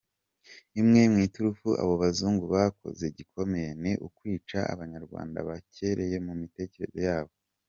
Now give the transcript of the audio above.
Imwe mu iturufu abo bazungu bakoze gikomeye ni ukwica abanyrwanda bahereye mumitekereze yabo.